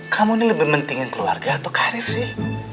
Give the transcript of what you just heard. kamu ini lebih pentingin keluarga atau karir sih